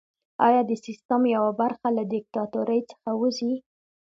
ایا د سیستم یوه برخه له دیکتاتورۍ څخه وځي؟